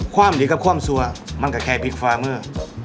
ความดีกับความซัวมันก็แค่พลิกฝามือ